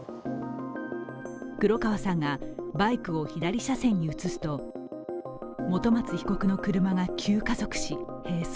黒川さんがバイクを左車線に移すと本松被告の車が急加速し、並走。